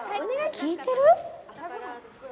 聞いてる？